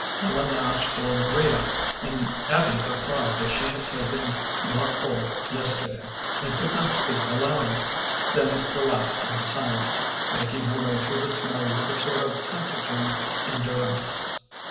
Ellen asked for Maria, and Abby replied that she had taken more cold yesterday, and could not speak aloud; then relapsed into silence, making her way through the snow with a sort of taciturn endurance.